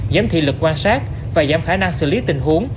giám thị lực quan sát và giảm khả năng xử lý tình huống